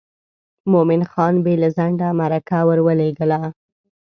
مومن خان بې له ځنډه مرکه ور ولېږله.